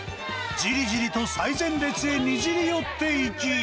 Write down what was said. じりじりと最前列へにじり寄っていき。